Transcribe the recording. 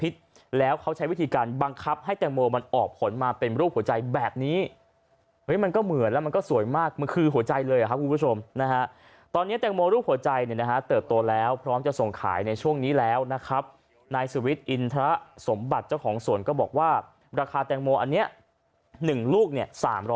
กลับมานี่คืออันนี้เต็มเสื้อเลย